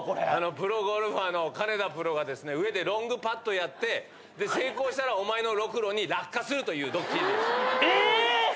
プロゴルファーの金田プロが上でロングパットやって、成功したら、お前のろくろに落下するとえー！